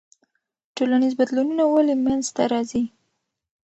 ټولنیز بدلونونه ولې منځ ته راځي؟